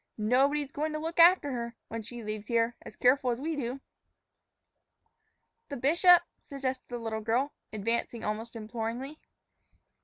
Nobody's goin' to look after her, when she leaves here, as careful as we do." "The bishop," suggested the little girl, advancing almost imploringly.